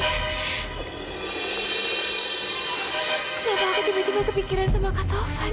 kenapa aku tiba tiba kepikiran sama kata tuhan